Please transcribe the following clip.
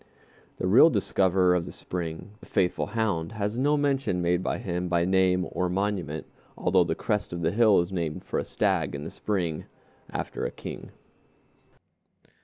The real discoverer of the spring, the faithful hound, has no mention made of him by name or monument, although the crest of the hill is named for a stag and the spring after a king.